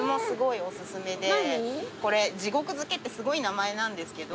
これ地獄漬けってすごい名前なんですけど。